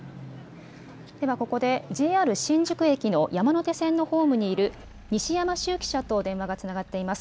ではここでＪＲ新宿駅の山手線のホームにいる西山周記者と電話がつながっています。